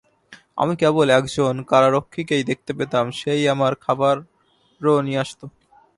আমি কেবল একজন কারারক্ষীকেই দেখতে পেতাম, সে-ই আমার খাবারও নিয়ে আসত।